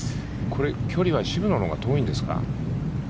これ、距離は渋野のほうが遠いんですか。